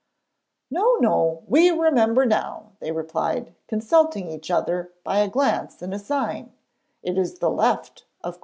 'No, no! we remember now,' they replied, consulting each other by a glance and a sign; 'it is the left, of course.'